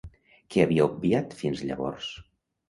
Què havia obviat fins llavors?